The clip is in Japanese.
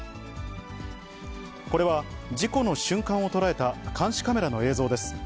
これは事故の瞬間を捉えた監視カメラの映像です。